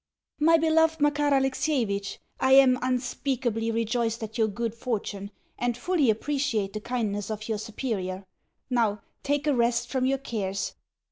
MY BELOVED MAKAR ALEXIEVITCH, I am unspeakably rejoiced at your good fortune, and fully appreciate the kindness of your superior. Now, take a rest from your cares.